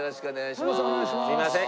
すいません